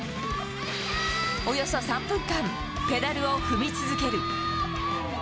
およそ３分間、ペダルを踏み続ける。